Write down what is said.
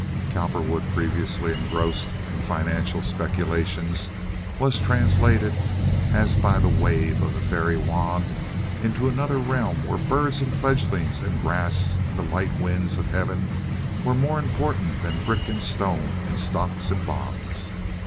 Cowperwood, previously engrossed in financial speculations, was translated, as by the wave of a fairy wand, into another realm where birds and fledglings and grass and the light winds of heaven were more important than brick and stone and stocks and bonds.